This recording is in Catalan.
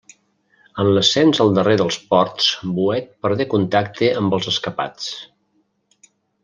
En l'ascens al darrer dels ports Bouet perdé contacte amb els escapats.